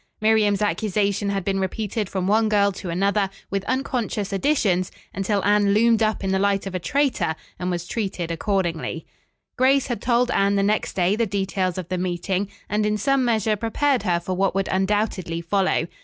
Miriam's accusation had been repeated from one girl to another, with unconscious additions, until Anne loomed up in the light of a traitor, and was treated accordingly. Grace had told Anne the next day the details of the meeting, and in some measure prepared her for what would undoubtedly follow.